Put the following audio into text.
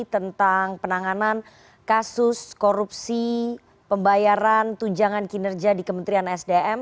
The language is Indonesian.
tentang penanganan kasus korupsi pembayaran tunjangan kinerja di kementerian sdm